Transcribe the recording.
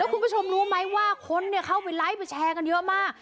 คุณผู้ชมรู้ไหมว่าคนเข้าไปไลค์ไปแชร์กันเยอะมาก